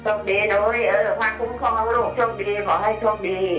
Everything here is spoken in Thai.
ช่วงดีด้วยพระคุ้มครองลูกช่วงดีขอให้ช่วงดี